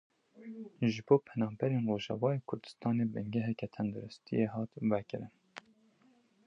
Ji bo penaberên Rojavayê Kurdistanê bingeheke tendirustiyê hat vekirin.